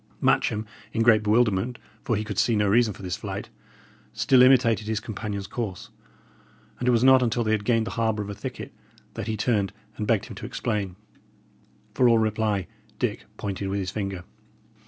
Matcham, in great bewilderment, for he could see no reason for this flight, still imitated his companion's course; and it was not until they had gained the harbour of a thicket that he turned and begged him to explain. For all reply, Dick pointed with his finger.